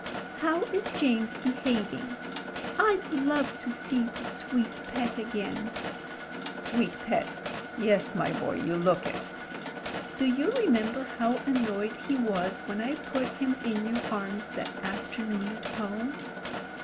"'How is James behaving? I'd love to see the sweet pet again.' Sweet pet : yes — ^my boy — ^you look it. 'Do you remember how annoyed he was when I put him in your arms that afternoon at home?'